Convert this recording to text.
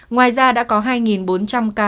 ngoài ra đã có hai bốn trăm linh ca